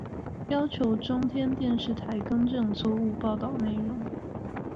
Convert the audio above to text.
要求中天電視台更正錯誤報導內容